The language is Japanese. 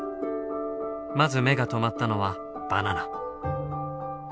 まず目が留まったのはバナナ。